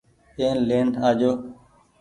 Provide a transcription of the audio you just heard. اين لين آجو ۔